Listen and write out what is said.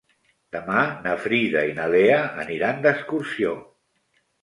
Demà na Frida i na Lea aniran d'excursió.